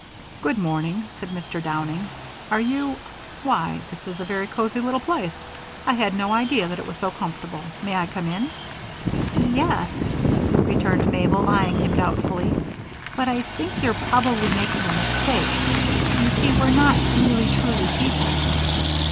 "Good morning," said Mr. Downing. "Are you Why! this is a very cozy little place. I had no idea that it was so comfortable. May I come in?" "Ye es," returned Mabel, eyeing him doubtfully, "but I think you're probably making a mistake. You see, we're not really truly people."